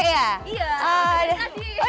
terima kasih mbak